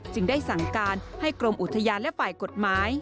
จึงได้สั่งการให้กรมอุทยานและฝ่ายกฎหมาย